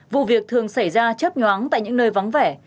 vụ việc thường xảy ra chấp nhoáng tại những nơi vắng vẻ